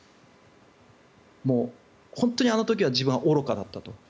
本当にあの時は自分は愚かだったと。